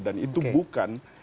dan itu bukan